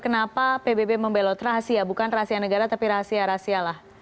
kenapa pbb membelot rahasia bukan rahasia negara tapi rahasia rahasia lah